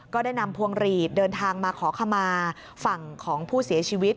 ก็ได้นำพวงหลีดเดินทางมาขอขมาฝั่งของผู้เสียชีวิต